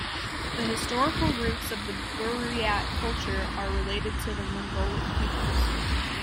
The historical roots of the Buryat culture are related to the Mongolic peoples.